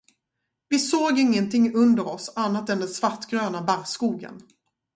Vi såg ingenting under oss annat än den svartgröna barrskogen.